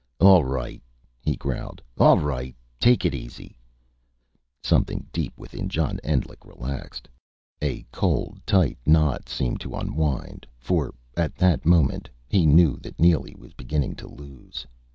"All right," he growled, "all right! Take it easy " Something deep within John Endlich relaxed a cold tight knot seemed to unwind for, at that moment, he knew that Neely was beginning to lose.